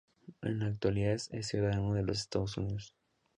En la actualidad es ciudadano de los Estados Unidos.